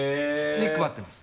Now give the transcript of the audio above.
に配ってます。